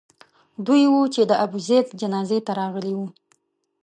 دوی وو چې د ابوزید جنازې ته راغلي وو.